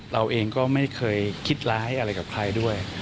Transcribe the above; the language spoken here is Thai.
เราเองก็ไม่เคยคิดร้ายอะไรกับใครด้วย